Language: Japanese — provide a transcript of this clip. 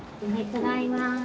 ただいま